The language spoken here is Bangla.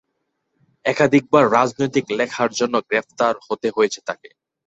একাধিকবার রাজনৈতিক লেখার জন্যে গ্রেপ্তার হতে হয়েছে তাকে।